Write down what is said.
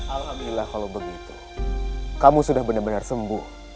alhamdulillah kalau begitu kamu sudah benar benar sembuh